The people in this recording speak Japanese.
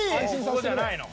ここじゃないの？